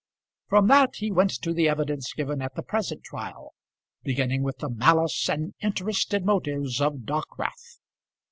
From that he went to the evidence given at the present trial, beginning with the malice and interested motives of Dockwrath.